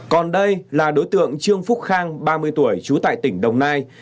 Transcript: còn đây là đối tượng trương phúc khang ba mươi tuổi trú tại tỉnh đồng nai